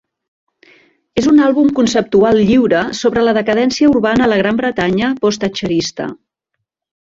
És un àlbum conceptual lliure sobre la decadència urbana a la Gran Bretanya post-thatcherista.